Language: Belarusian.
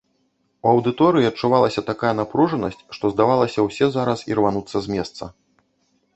У аўдыторыі адчувалася такая напружанасць, што здавалася, усе зараз ірвануцца з месца.